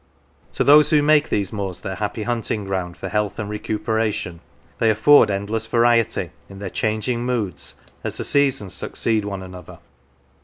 To those who make these moors their happy hunting ground for health and recuperation they afford endless variety in their changing moods as the seasons succeed one another.